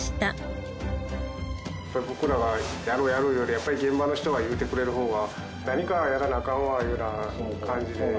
僕らがやろうやろう言うよりやっぱり現場の人が言うてくれる方が何かやらなアカンわいうような感じで。